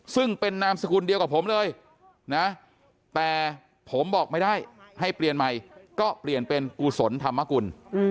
ซึ่งเป็นนามสกุลเดียวกับผมเลยนะแต่ผมบอกไม่ได้ให้เปลี่ยนใหม่ก็เปลี่ยนเป็นกุศลธรรมกุล